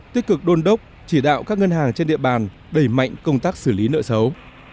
tích cực đôn đốc chỉ đạo các ngân hàng trên địa bàn đẩy mạnh công tác xử lý nợ xấu